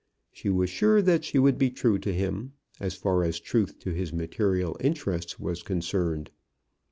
She was sure that she would be true to him, as far as truth to his material interests was concerned.